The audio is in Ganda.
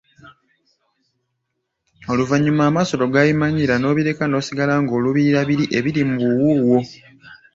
Oluvanyuma amaaso bwe gabimanyiira n'obireka n'osigala ng'oluubirira biri ebiri mu buwuuwo.